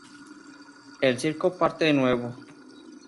El circo parte de nuevo.